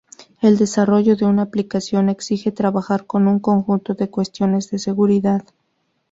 El desarrollo de una aplicación exige trabajar con un conjunto de cuestiones de seguridad.